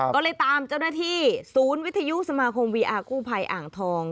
ก็เลยตามเจ้าหน้าที่ศูนย์วิทยุสมาคมวีอาร์กู้ภัยอ่างทอง